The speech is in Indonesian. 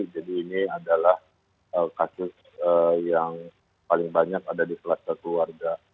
jadi ini adalah kasus yang paling banyak ada di selat satu warga